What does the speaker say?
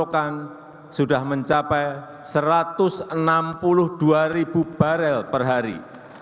pasokan sudah mencapai satu ratus enam puluh dua ribu barel per hari